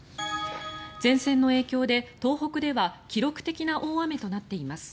前線の影響で、東北では記録的な大雨となっています。